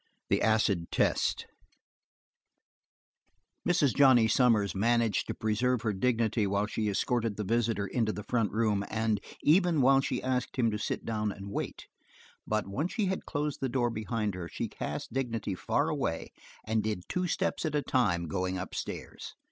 The Acid Test Mrs. Johnny Sommers managed to preserve her dignity while she escorted the visitor into the front room, and even while she asked him to sit down and wait, but once she had closed the door behind her she cast dignity far away and did two steps at a time going upstairs.